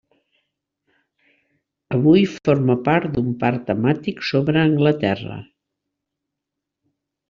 Avui, forma part d'un parc temàtic sobre Anglaterra.